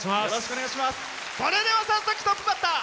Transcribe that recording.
それでは早速トップバッター。